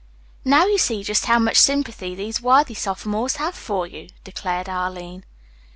"Now you see just how much sympathy these worthy sophomores have for you," declared Arline.